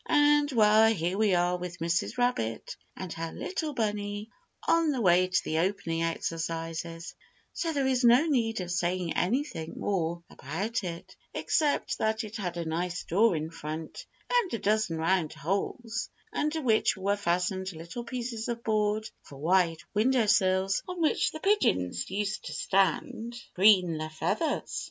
And, well, here we are with Mrs. Rabbit and her little bunny on their way to the opening exercises, so there is no need of saying anything more about it, except that it had a nice door in front and a dozen round holes, under which were fastened little pieces of board for wide windowsills, on which the pigeons used to stand and preen their feathers.